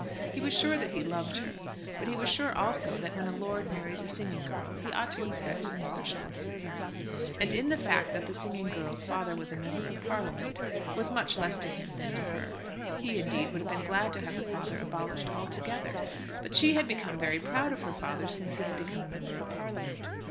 He was sure that he loved her, but he was sure also that when a lord marries a singing girl he ought to expect some special observance. And the fact that the singing girl's father was a Member of Parliament was much less to him than to her. He, indeed, would have been glad to have the father abolished altogether. But she had become very proud of her father since he had become a Member of Parliament.